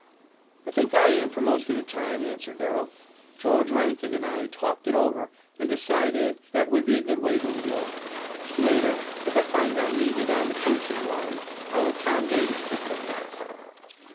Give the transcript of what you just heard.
"I think I am for most of the time," answered Darrell. "George Rankin and I talked it over and decided that would be a good way to lead off. Later, if I find I'm needed on the coaching line, I'll let Tom Davis take my place."